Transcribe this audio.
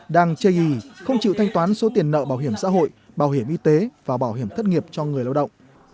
đang chê ý không chịu thanh toán số tiền nợ bảo hiểm xã hội bảo hiểm y tế và bảo hiểm thất nghiệp cho người lao động